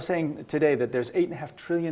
pemerintah pribadi yang berharga